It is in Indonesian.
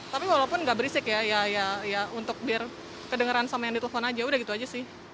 tapi walaupun gak berisik ya ya untuk biar kedengeran sama yang ditelepon aja udah gitu aja sih